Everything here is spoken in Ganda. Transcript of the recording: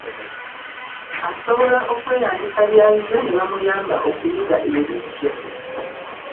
Asobola okweyambisa by'ayize ne bamuyamba okuyiga ebiggya.